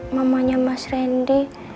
mamanya mas randy